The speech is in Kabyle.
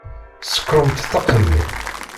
Sekkṛemt ṭṭaq-nni!